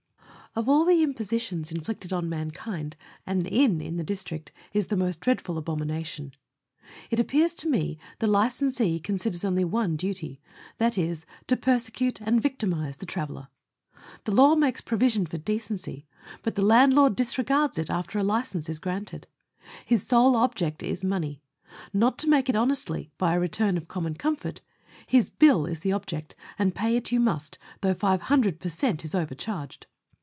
Of all the impositions inflicted on mankind an inn in the district is the most dreadful abomination. It appears to me the licensee considers only one duty, that is, to persecute and victimize the traveller. The law makes provision for decency, but the land lord disregards it after a license is granted ; his sole object is money not to make it honestly by a return of common comfort; his bill is the object, and pay it you must, though five hundred per cent, is overcharged.